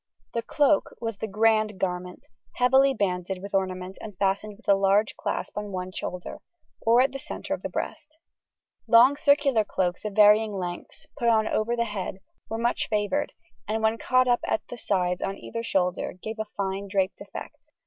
The cloak was the "grand garment," heavily banded with ornament and fastened with a large clasp on one shoulder, or at the centre of the breast. Long circular cloaks of varying lengths, put on over the head, were much favoured, and when caught up at the sides on either shoulder gave a fine draped effect.